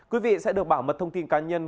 quý vị sẽ được bảo mật thông tin cá nhân